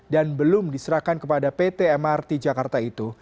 dan belum diserahkan kepada pt mrt jakarta itu